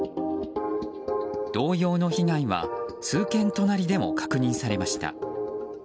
同様の被害は数軒隣でも確認されました。